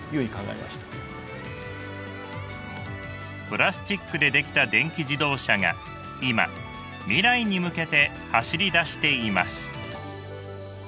プラスチックで出来た電気自動車が今未来に向けて走りだしています。